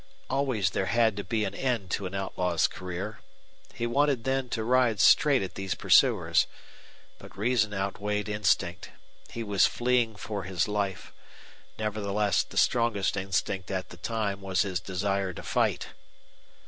Always there had to be an end to an outlaw's career. He wanted then to ride straight at these pursuers. But reason outweighed instinct. He was fleeing for his life; nevertheless, the strongest instinct at the time was his desire to fight.